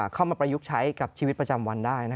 ประยุกต์ใช้กับชีวิตประจำวันได้